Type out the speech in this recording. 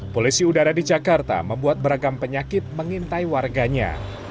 polisi udara di jakarta membuat beragam penyakit mengintai warganya